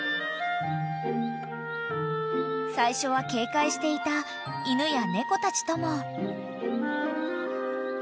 ［最初は警戒していた犬や猫たちとも］